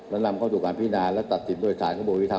และนำเข้าสู่การพินาและตัดสินโดยสารกระบวนวิท